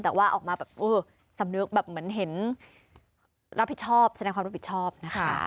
แต่ว่าออกมาแบบเออสำนึกแบบเหมือนเห็นรับผิดชอบแสดงความรับผิดชอบนะคะ